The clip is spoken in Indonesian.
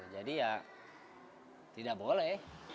jadi ya tidak boleh